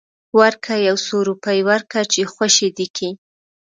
ورکه يو څو روپۍ ورکه چې خوشې دې کي.